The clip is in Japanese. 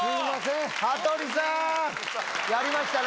羽鳥さんやりましたね。